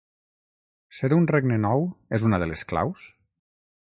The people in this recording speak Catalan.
Ser un regne nou és una de les claus?